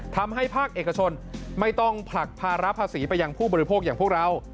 ภาคเอกชนไม่ต้องผลักภาระภาษีไปยังผู้บริโภคอย่างพวกเรา